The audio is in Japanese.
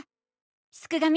すくがミ！